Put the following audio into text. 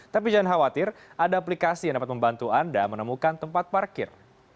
tapi jangan khawatir ada aplikasi yang dapat membantu anda menemukan tempat parkir